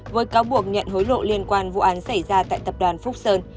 với cáo buộc nhận hối lộ liên quan vụ án xảy ra tại tập đoàn phúc sơn